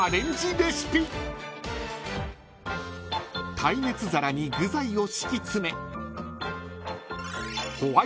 ［耐熱皿に具材を敷き詰め］